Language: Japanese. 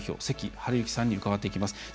関治之さんに伺っていきます。